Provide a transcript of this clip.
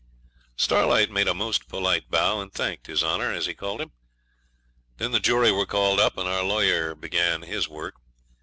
Starlight made a most polite bow, and thanked his Honour, as he called him. Then the jury were called up, and our lawyer began his work.